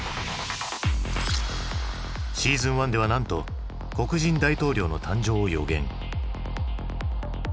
シーズン１ではなんと黒人大統領の誕生を予言。